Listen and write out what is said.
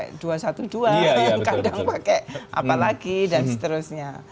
kan kadang pakai apa lagi dan seterusnya